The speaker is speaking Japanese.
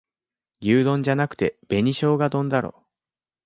牛丼じゃなくて紅しょうが丼だろ